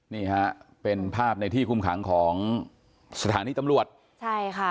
นี่ค่ะเป็นภาพในที่คุมขังของสถานีตำรวจ